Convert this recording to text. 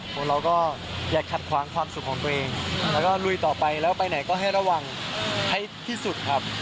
ของเราก็อย่าขัดขวางความสุขของตัวเองแล้วก็ลุยต่อไปแล้วไปไหนก็ให้ระวังให้ที่สุดครับ